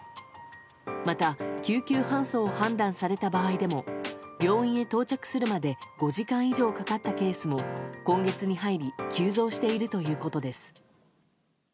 また、救急搬送を判断された場合でも病院へ到着するまで５時間以上かかったケースも今月に入り急増しているということです。